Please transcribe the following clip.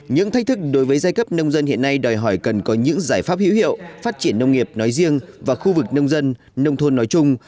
những thách thức đối với giai cấp nông dân hiện nay đòi hỏi cần có những giải pháp hữu hiệu phát triển nông nghiệp nói riêng và khu vực nông dân nông thôn nói chung